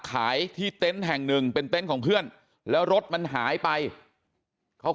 ขายที่เต็นต์แห่งหนึ่งเป็นเต็นต์ของเพื่อนแล้วรถมันหายไปเขา